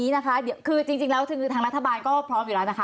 เอาอย่างนี้นะคะคือจริงแล้วทางรัฐบาลก็พร้อมอยู่แล้วนะคะ